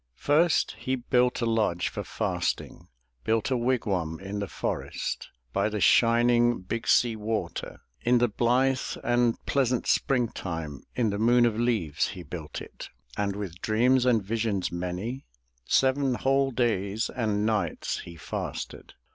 First he built a lodge for fasting, Built a wigwam in the forest, By the shining Big Sea Water. In the blithe and pleasant Spring time, In the Moon of Leaves he built it, And, with dreams and visions many, Seven whole days and nights he fasted.